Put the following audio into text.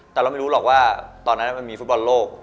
แต่เราไม่รู้หรอกว่าตอนนั้นมันมีฟุตบอลโลก